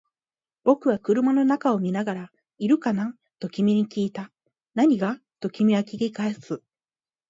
僕は車の中を見ながら、いるかな？と君に訊いた。何が？と君は訊き返す。